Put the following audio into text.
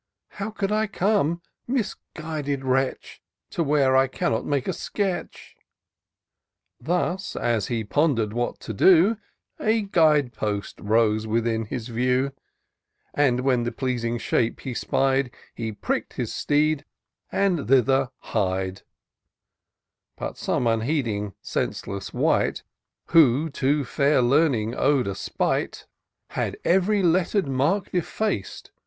How could I come, misguided wretch ! To where I cannot make a sketch ?" Thus as he pondered what to do, A guide post rose within his view ; And, when the pleasing shape he spied, He prick*d his steed, and thither hied ; IN SEARCH OF THE PICTURESQUE. 13 But some unheeding, senseless wight, Who to feir learning owed a spite, Hud ev'ry letter'd mark defac'd.